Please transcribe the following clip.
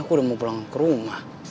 aku udah mau pulang ke rumah